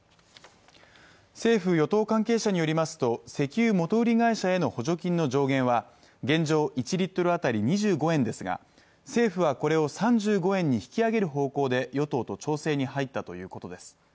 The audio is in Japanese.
政府・与党関係者によりますと石油元売り会社への補助金の上限は、現状、１リットル当たり２５円ですが、政府はこれを３５円に引き上げる方向で与党と調整に入ったということです。